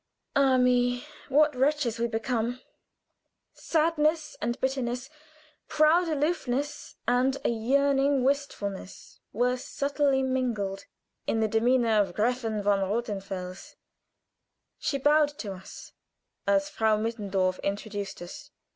Ah, me! What wretches we become! Sadness and bitterness, proud aloofness and a yearning wistfulness were subtly mingled in the demeanor of Gräfin von Rothenfels. She bowed to us, as Frau Mittendorf introduced us.